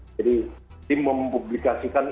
jadi tim mempublikasikan